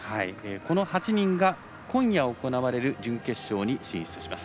この８人が今夜行われる準決勝に進出します。